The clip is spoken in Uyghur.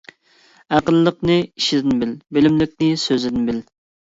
ئەقىللىقنى ئىشىدىن بىل، بىلىملىكنى سۆزىدىن بىل.